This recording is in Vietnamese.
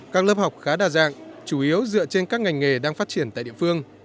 các lớp học khá đa dạng chủ yếu dựa trên các ngành nghề đang phát triển tại địa phương